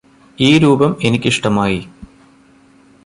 ഈ രൂപം എനിക്കിഷ്ടമായി